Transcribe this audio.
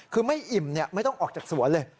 คือไม่อิ่มไม่ต้องออกจากสวนเลย